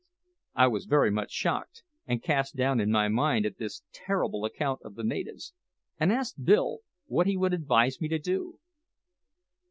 I was very much shocked and cast down in my mind at this terrible account of the natives, and asked Bill what he would advise me to do.